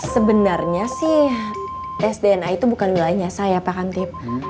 sebenarnya sih tes dna itu bukan nilainya saya pak kamtip